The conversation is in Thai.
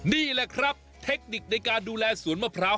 นี่แหละครับเทคนิคในการดูแลสวนมะพร้าว